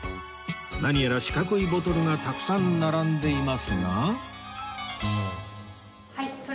何やら四角いボトルがたくさん並んでいますが